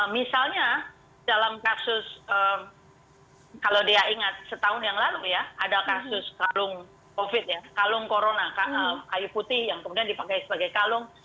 misalnya dalam kasus kalau dia ingat setahun yang lalu ya ada kasus kalung covid ya kalung corona kayu putih yang kemudian dipakai sebagai kalung